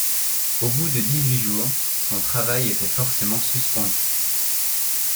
Au bout de dix-huit jours, son travail était forcément suspendu.